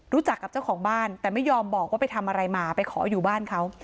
รู้จักกับเจ้าของบ้านแต่ไม่ยอมบอกว่าไปทำอะไรมาไปขออยู่บ้านเขา